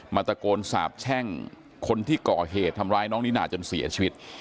ตะโกนสาบแช่งคนที่ก่อเหตุทำร้ายน้องนิน่าจนเสียชีวิต